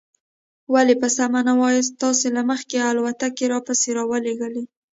ولې په سمه نه وایاست؟ تاسې له مخکې الوتکې را پسې را ولېږلې.